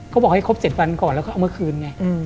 เขาบอกให้ครบ๗วันก่อนแล้วก็เอามาคืนไง